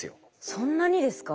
そんなにですか？